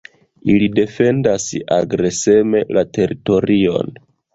Ili defendas agreseme la teritorion.